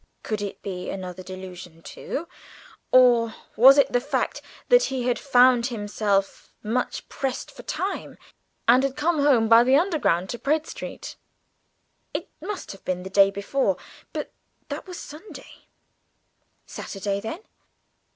Could it be another delusion, too, or was it the fact that he had found himself much pressed for time and had come home by the Underground to Praed Street? It must have been the day before, but that was Sunday. Saturday, then?